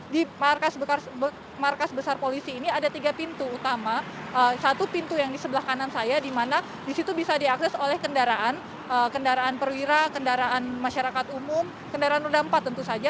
di markas besar polisi ini ada tiga pintu utama satu pintu yang di sebelah kanan saya di mana di situ bisa diakses oleh kendaraan kendaraan perwira kendaraan masyarakat umum kendaraan roda empat tentu saja